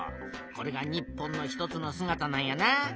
これが日本の一つのすがたなんやな。